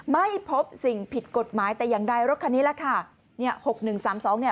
ไม่พบสิ่งผิดกฎหมายแต่อย่างใดรถคันนี้แหละค่ะ